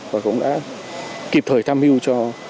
và cũng đã kịp thời tham hưu cho